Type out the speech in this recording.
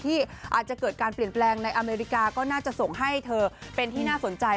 ที่อาจจะเกิดการเปลี่ยนแปลงในอเมริกาก็น่าจะส่งให้เธอเป็นที่น่าสนใจ